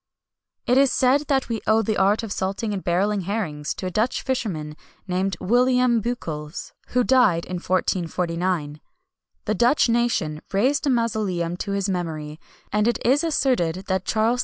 It is said that we owe the art of salting and barreling herrings to a Dutch fisherman, named William Beuckels, who died in 1449. The Dutch nation raised a mausoleum to his memory; and it is asserted that Charles V.